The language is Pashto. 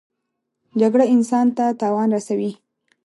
جګړه انسان ته تاوان رسوي